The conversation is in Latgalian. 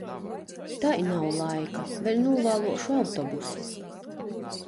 Tai nav laika, vēļ nūvāluošu autobusu!